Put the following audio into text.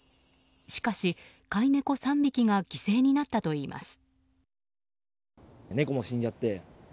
しかし、飼い猫３匹が犠牲になったといいます。